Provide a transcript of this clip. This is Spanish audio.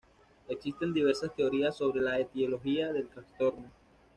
Existen diversas teorías sobre la etiología del trastorno.